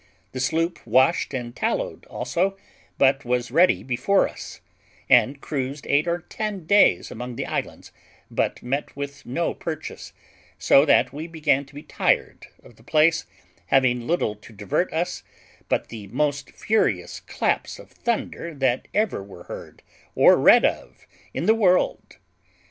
The sloop washed and tallowed also, but was ready before us, and cruised eight or ten days among the islands, but met with no purchase; so that we began to be tired of the place, having little to divert us but the most furious claps of thunder that ever were heard or read of in the world.